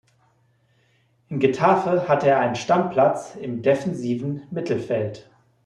In Getafe hatte er einen Stammplatz im defensiven Mittelfeld.